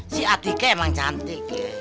si atiket emang cantik ya